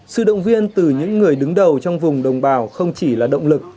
sự động viên từ những người đứng đầu trong vùng đồng bào không chỉ là động lực